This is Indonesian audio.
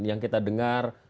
yang kita dengar